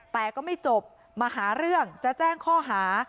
แต่ก็ไม่จบมาหาเรื่องจะแจ้งข้อหา